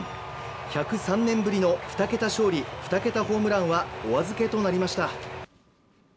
１０３年ぶりの２桁勝利、２桁ホームランはお預けとなりました。